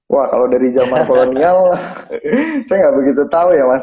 wah kalo dari zaman kolonial saya gak begitu tau ya mas